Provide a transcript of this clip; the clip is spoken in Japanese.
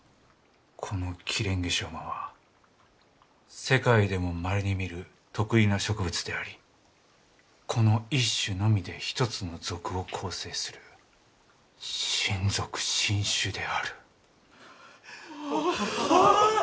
このキレンゲショウマは世界でもまれに見る特異な植物でありこの一種のみで一つの属を構成する新属新種である。